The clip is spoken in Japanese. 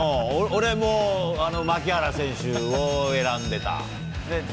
俺も牧原選手を選んでた。